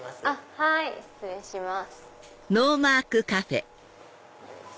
はい失礼します。